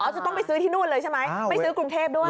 จะต้องไปซื้อที่นู่นเลยใช่ไหมไม่ซื้อกรุงเทพด้วย